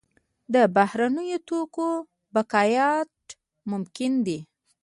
د بهرنیو توکو بایکاټ ممکن دی؟